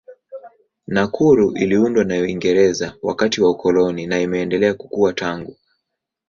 Nakuru iliundwa na Uingereza wakati wa ukoloni na imeendelea kukua tangu.